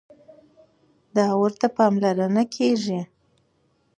دا ورته پاملرنه کېږي.